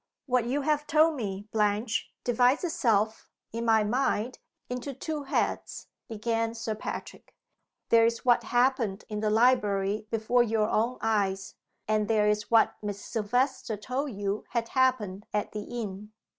"What you have told me, Blanche, divides itself, in my mind, into two heads," began Sir Patrick. "There is what happened in the library before your own eyes; and there is what Miss Silvester told you had happened at the inn.